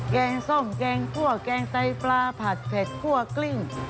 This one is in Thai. แกงส้มแกงคั่วแกงไตปลาผัดเผ็ดคั่วกลิ้ง